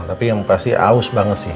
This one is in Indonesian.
tapi yang pasti aus banget sih